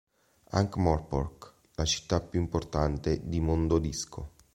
Ankh-Morpork, la città più importante di Mondo Disco.